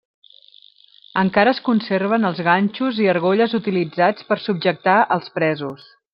Encara es conserven els ganxos i argolles utilitzats per subjectar als presos.